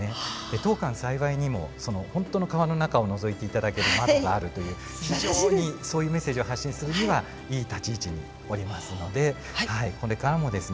当館幸いにも本当の川の中をのぞいて頂ける窓があるという非常にそういうメッセージを発信するにはいい立ち位置におりますのでこれからもですね